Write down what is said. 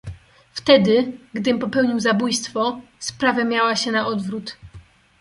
"Wtedy, gdym, popełnił zabójstwo, sprawa miała się na odwrót."